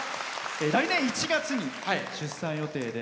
来年１月に出産予定で。